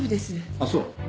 あっそう。